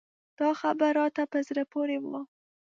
دا خبر راته په زړه پورې و.